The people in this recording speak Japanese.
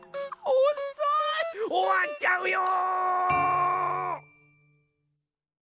おわっちゃうよ！